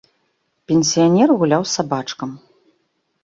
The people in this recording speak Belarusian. Пенсіянер гуляў з сабачкам.